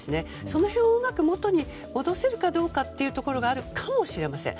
その辺をうまく元に戻せるかどうかがあるかもしれません。